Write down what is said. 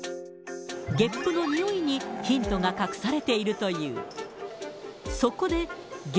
ゲップの臭いにヒントが隠されているという。